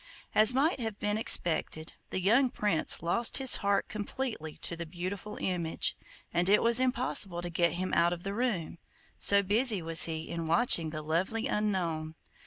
As might have been expected, the young Prince lost his heart completely to the beautiful image, and it was impossible to get him out of the room, so busy was he in watching the lovely unknown.